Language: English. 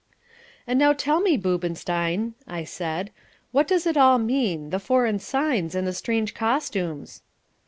"And now tell me, Boobenstein," I said, "what does it all mean, the foreign signs and the strange costumes?"